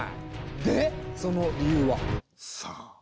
でその理由は？さあ？